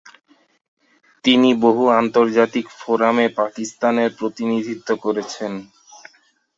তিনি বহু আন্তর্জাতিক ফোরামে পাকিস্তানের প্রতিনিধিত্ব করেছেন।